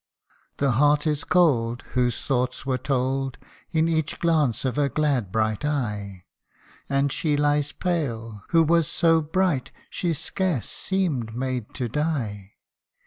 The heart is cold, whose thoughts were told In each glance of her glad bright eye ; And she lies pale, who was so bright, She scarce seemed made to die.